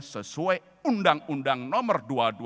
sesuai undang undang nomor dua ribu dua ratus dua puluh